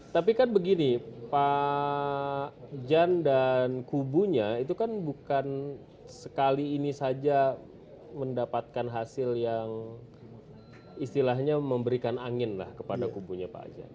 tapi kan begini pak jan dan kubunya itu kan bukan sekali ini saja mendapatkan hasil yang istilahnya memberikan angin lah kepada kubunya pak jan